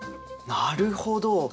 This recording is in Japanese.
なるほど。